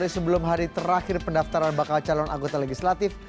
sebelum hari terakhir pendaftaran bakal calon anggota legislatif